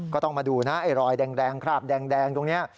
ก็ต้องมาดูนะไอ้รอยแดงคราบแดงตรงนี้